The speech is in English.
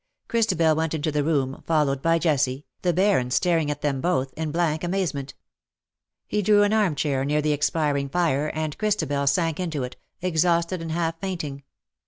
Christabel went into the room, followed by Jessie, the Baron staring at them both, in blank amazement. He drew an armchair near the expiring fire, and Christabel sank into it, exhausted and half fainting.